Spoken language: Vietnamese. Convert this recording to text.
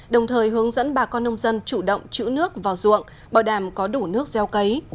đồng thời hướng dẫn bà con nông dân chủ động chữ nước vào ruộng bảo đảm có đủ nước gieo cấy